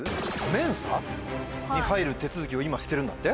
ＭＥＮＳＡに入る手続きを今してるんだって？